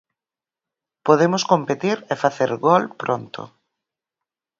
Podemos competir e facer gol pronto.